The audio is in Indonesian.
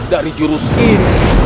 dari jurus ini